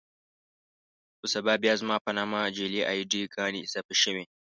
خو سبا بيا زما په نامه جعلي اې ډي ګانې اضافه شوې.